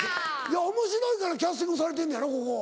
おもしろいからキャスティングされてんのやろここ。